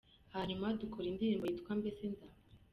Hanyuma dukora indirimbo yitwa “Mbese Nzapfa”.